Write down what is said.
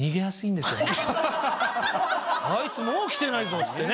あいつもう来てないぞっつってね。